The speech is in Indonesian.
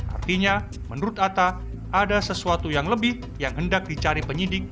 artinya menurut atta ada sesuatu yang lebih yang hendak dicari penyidik